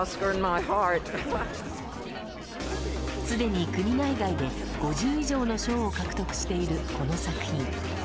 すでに国内外で５０以上の賞を獲得しているこの作品。